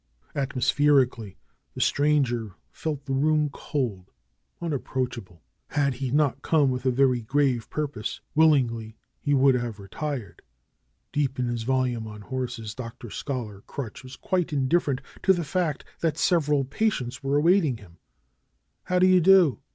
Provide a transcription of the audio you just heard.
Atmospherically, the stranger felt the room cold, un approachable. Had he not come with a very grave pur pose, willingly he would have retired. Deep in his vol ume on horses Dr. Scholar Crutch was quite indifferent to the fact that several patients were awaiting him. ^^How d'ye do!"